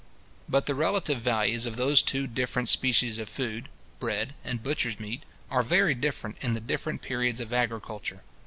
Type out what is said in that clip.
But the relative values of those two different species of food, bread and butcher's meat, are very different in the different periods of agriculture.